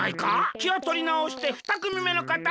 きをとりなおしてふたくみめのかたどうぞ！